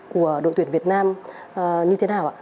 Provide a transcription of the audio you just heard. của đội tuyển việt nam như thế nào ạ